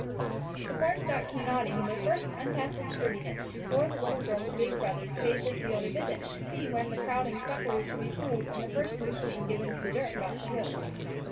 The corn stalks were nodding in their first untasseled sturdiness before the little girl's big brothers paid the field a visit to see when the crowding suckers should be pulled and the first loosening given to the dirt about the hills.